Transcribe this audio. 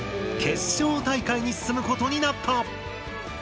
決勝大会に進むことになった。